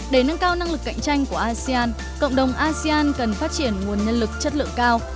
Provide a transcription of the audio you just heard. để nâng cao năng lực cạnh tranh của asean cộng đồng asean cần phát triển nguồn nhân lực chất lượng cao